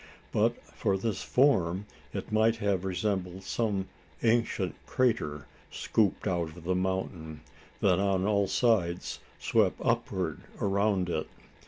But for this form, it might have resembled some ancient crater scooped out of the mountain, that on all sides swept upward around it.